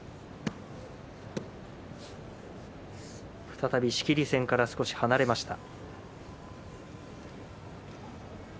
再び仕切り線から少し離れました。